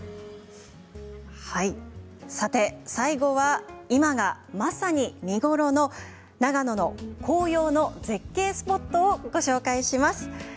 さて最後は今がまさに見頃の長野の紅葉の絶景スポット情報をお伝えします。